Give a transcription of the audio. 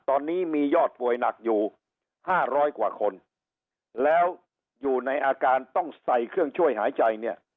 ตอนนี้มียอดป่วยหนักอยู่ห้าร้อยกว่าคนแล้วอยู่ในอาการต้องใส่เครื่องช่วยหายใจเนี่ย